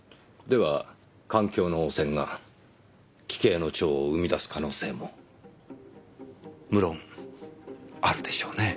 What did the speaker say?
では環境の汚染が奇形の蝶を生み出す可能性も無論あるでしょうね。